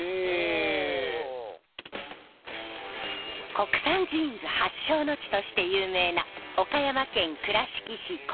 国産ジーンズ発祥の地として有名な岡山県倉敷市児島。